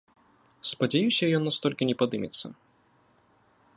Спадзяюся, ён настолькі не падымецца.